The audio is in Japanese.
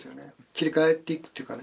切り替えていくっていうかね